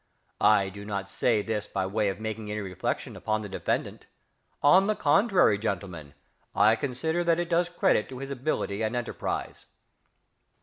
I do not say this by way of making any reflection upon the defendant; on the contrary, gentlemen, I consider it does credit to his ability and enterprise.